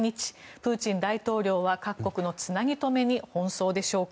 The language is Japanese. プーチン大統領は各国のつなぎ止めに奔走でしょうか。